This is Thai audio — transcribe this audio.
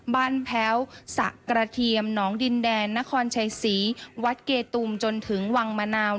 แพ้วสะกระเทียมหนองดินแดนนครชัยศรีวัดเกตุมจนถึงวังมะนาว